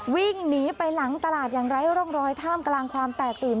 วิ่งหนีไปหลังตลาดอย่างไร้ร่องรอยท่ามกลางความแตกตื่น